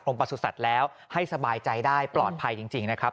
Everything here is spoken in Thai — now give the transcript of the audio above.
ประสุทธิ์แล้วให้สบายใจได้ปลอดภัยจริงนะครับ